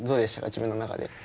自分の中で。